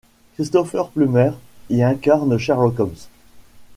Christopher Plummer y incarne Sherlock Holmes.